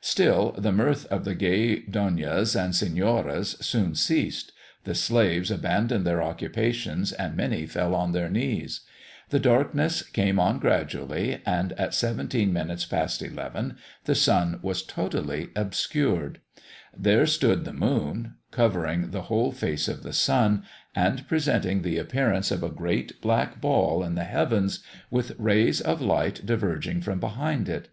Still, the mirth of the gay donnas and senoras soon ceased; the slaves abandoned their occupations, and many fell on their knees. The darkness came on gradually, and at 17 minutes past 11, the sun was totally obscured. There stood the moon, covering the whole face of the sun, and presenting the appearance of a great black ball in the heavens, with rays of light diverging from behind it.